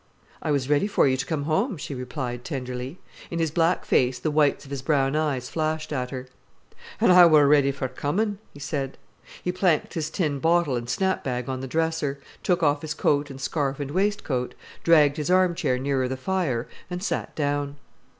"I was ready for you to come home," she replied tenderly. In his black face the whites of his brown eyes flashed at her. "An' I wor ready for comin'," he said. He planked his tin bottle and snap bag on the dresser, took off his coat and scarf and waistcoat, dragged his armchair nearer the fire and sat down.